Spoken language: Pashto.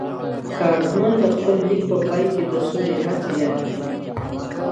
کارمل د خپل لیک په پای کې د سولې هڅې یادې کړې.